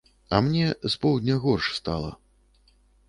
А мне, з поўдня горш стала.